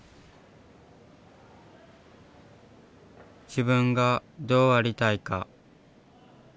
自分がどうありたいか。